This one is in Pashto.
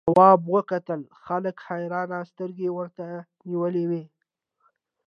تواب وکتل خلکو حیرانې سترګې ورته نیولې وې.